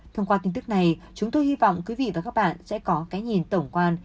thông qua tin tức này chúng tôi hy vọng quý vị và các bạn sẽ có cái nhìn tổng quan